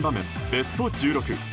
ベスト１６。